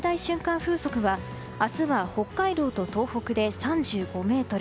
風速は明日は北海道と東北で３５メートル